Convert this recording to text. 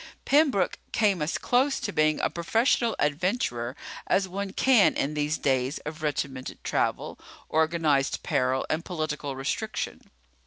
Pembroke came as close to being a professional adventurer as one can in these days of regimented travel, organized peril, and political restriction.